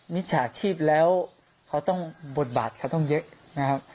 มิจฉาชีพแล้วเขาต้องบทบาทเขาต้องเยอะนะครับ